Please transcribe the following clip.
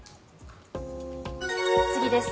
次です。